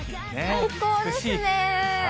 最高ですね。